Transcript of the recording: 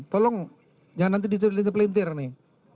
tolong jangan nanti dititir titir pelintir nih